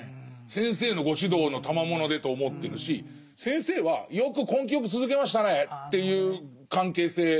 先生のご指導のたまものでと思ってるし先生はよく根気よく続けましたねっていう関係性なんですよ。